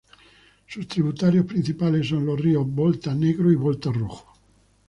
Sus tributarios principales son los ríos Volta Negro y Volta Rojo.